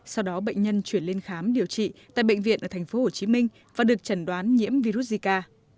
sau đó bệnh nhân chuyển lên khám điều trị tại bệnh viện ở thành phố hồ chí minh và được chẩn đoán nhiễm virus zika